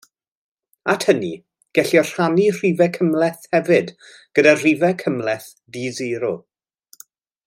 At hynny, gellir rhannu rhifau cymhleth hefyd gyda rhifau cymhleth di-sero.